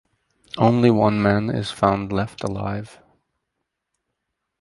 Only one man is found left alive.